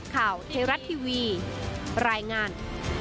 ข่าวเทราะทีวีรายงาน